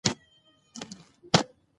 مرګ او ژوبله پکې ډېره کړه.